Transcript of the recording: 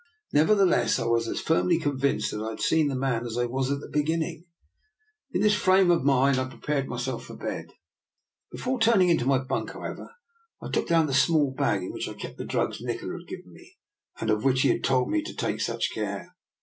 Nevertheless, I was as firmly convinced that I had seen the man as I was at the beginning. In this frame of mind I pre pared myself for bed. Before turning into my bunk, however, I took down the small bag in which I kept the drugs Nikola had given me and of which he had told me to take such care.